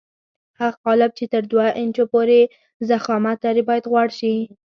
هغه قالب چې تر دوه انچو پورې ضخامت لري باید غوړ شي.